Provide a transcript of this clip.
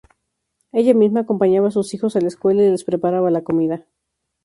Ella misma acompañaba a sus hijos a la escuela y les preparaba la comida.